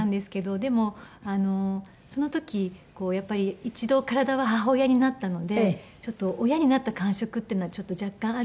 でもその時やっぱり一度体は母親になったので親になった感触っていうのは若干あるんですけども。